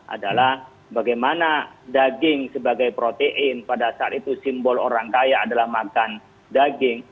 adalah bagaimana daging sebagai protein pada saat itu simbol orang kaya adalah makan daging